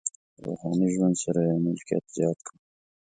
روحاني ژوند سره یې ملکیت زیات کړ.